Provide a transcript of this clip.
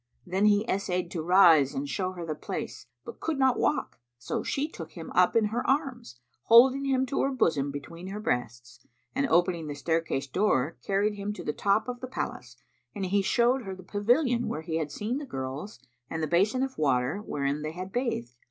Then he essayed to rise and show her the place, but could not walk; so she took him up in her arms, holding him to her bosom between her breasts; and, opening the staircase door, carried him to the top of the palace, and he showed her the pavilion where he had seen the girls and the basin of water, wherein they had bathed.